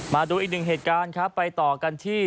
มาดูอีกหนึ่งเหตุการณ์ครับไปต่อกันที่